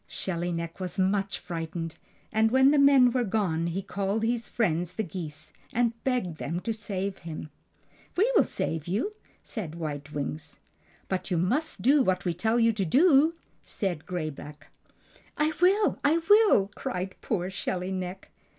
Shelly Neck was much frightened, and when the men were gone he called his friends the geese, and begged them to save him. "We will save you," said White Wings. "But you must do just what we tell you to do!" said Gray Back. "I will! I will!" cried poor Shelly Neck.